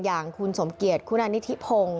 อย่างคุณสมเกียจคุณานิทิพงศ์